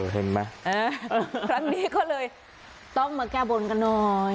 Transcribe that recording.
เห็นไหมครั้งนี้ก็เลยต้องมาแก้บนกันหน่อย